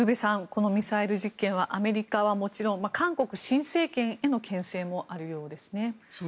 このミサイル実験はアメリカはもちろん韓国新政権へのけん制もあるようですね。